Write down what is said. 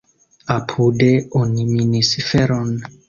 Apude oni minis feron.